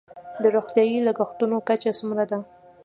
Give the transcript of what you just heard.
د روغتیايي لګښتونو کچه څومره ده؟